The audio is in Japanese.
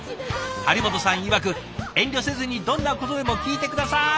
播本さんいわく「遠慮せずにどんなことでも聞いて下さい！」